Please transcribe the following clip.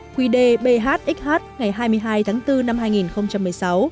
quy đề bhxh ngày hai mươi hai tháng bốn năm hai nghìn một mươi sáu